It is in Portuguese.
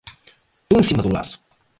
Tô em cima do laço